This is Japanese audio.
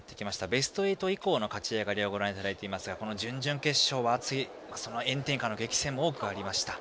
ベスト８以降の勝ち上がりをご覧いただいていますがこの準々決勝は熱い炎天下の激戦も多くありました。